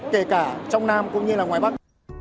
kể cả trong nam cũng như là ngoài bắc